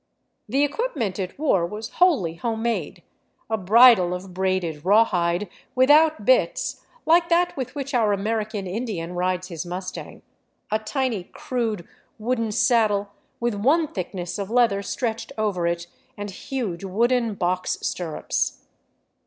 The equipment it wore was wholly home made, — a bridle of braided rawhide, without bits, like that with which our American Indian rides his mustang, a tiny, crude, wooden saddle with one thickness of leather stretched over it, and huge wooden box stirrups.